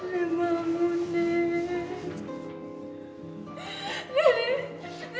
nenek bangun nenek